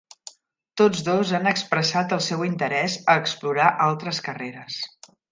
Tots dos han expressat el seu interès a explorar altres carreres.